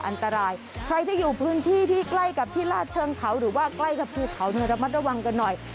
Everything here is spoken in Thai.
อันตรายใครที่อยู่พื้นที่ที่ใกล้กับที่ลาดเชิงเขาหรือว่าใกล้กับภูเขาเนี่ยระมัดระวังกันหน่อย